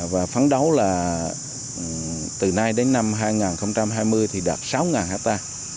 và phấn đấu là từ nay đến năm hai nghìn hai mươi thì đạt sáu hectare